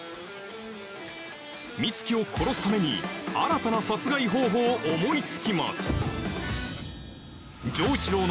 美月を殺すために新たな殺害方法を思いつきます